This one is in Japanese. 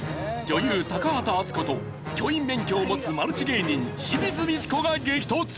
女優高畑淳子と教員免許を持つマルチ芸人清水ミチコが激突！